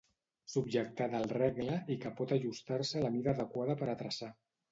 Subjectada al regle i que pot ajustar-se a la mida adequada per a traçar.